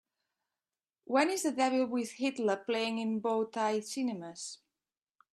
When is The Devil with Hitler playing in Bow Tie Cinemas